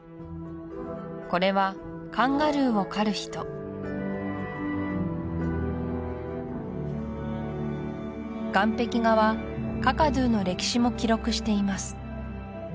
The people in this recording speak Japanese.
これは岩壁画はカカドゥの歴史も記録しています